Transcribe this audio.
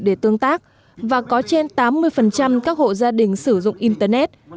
để tương tác và có trên tám mươi các hộ gia đình sử dụng internet